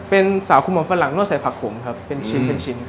เป็นสาวคุมฝรั่งนวดใส่ผักผมครับเป็นชิ้นครับ